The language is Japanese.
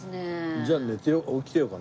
じゃあ起きてようかな。